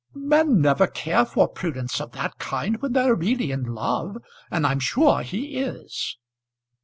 "Men never care for prudence of that kind when they are really in love; and I'm sure he is."